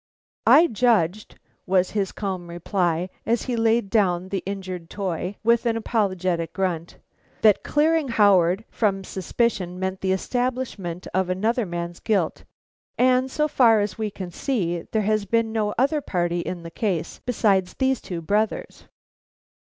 "I judged," was his calm reply, as he laid down the injured toy with an apologetic grunt, "that the clearing of Howard from suspicion meant the establishment of another man's guilt; and so far as we can see there has been no other party in the case besides these two brothers."